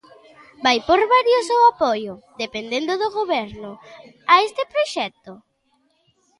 ¿Vai por barrios o apoio, dependendo do Goberno, a este proxecto?